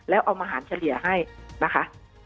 แล้วเอามาหารเฉลี่ยให้นะคะ